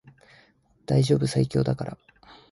大丈夫最強だから